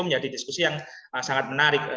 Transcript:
menjadi diskusi yang sangat menarik